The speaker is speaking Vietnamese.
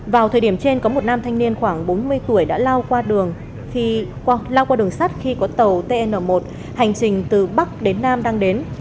vào thời điểm trên có một nam thanh niên khoảng bốn mươi tuổi đã lao qua đường sắt khi có tàu tn một hành trình từ bắc đến nam đang đến